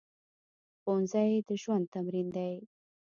ښوونځی د ژوند تمرین دی